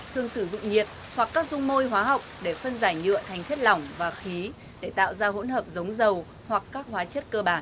thường sử dụng nhiệt hoặc các dung môi hóa học để phân giải nhựa thành chất lỏng và khí để tạo ra hỗn hợp giống dầu hoặc các hóa chất cơ bản